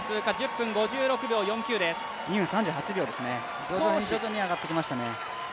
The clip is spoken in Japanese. ２分３８秒ですね、徐々に上がってきましたね。